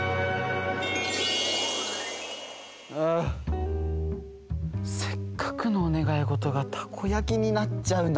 あせっかくのおねがいごとがたこやきになっちゃうなんて。